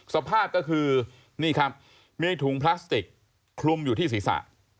สภาพก็คือนี่ครับมีถุงพลาสติกคลุมอยู่ที่ศีรษะ